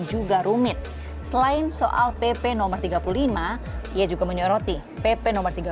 juga rumit selain soal pp nomor tiga puluh lima ia juga menyoroti pp